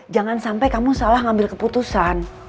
jangan sampai kamu salah ngambil keputusan